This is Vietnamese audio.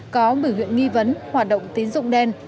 có bửa huyện nghi vấn hoạt động tín dụng đen